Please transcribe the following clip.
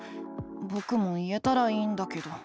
ぼくも言えたらいいんだけど。